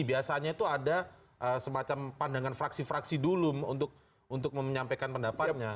biasanya itu ada semacam pandangan fraksi fraksi dulu untuk menyampaikan pendapatnya